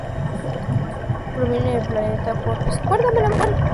Proviene del planeta Pop Star, donde vive en una casa abovedada en Dream Land.